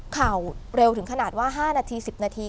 ข่าวเร็วถึงขนาดว่า๕นาที๑๐นาที